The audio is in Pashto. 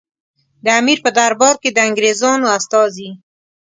د امیر په دربار کې د انګریزانو استازي.